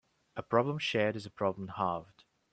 A problem shared is a problem halved.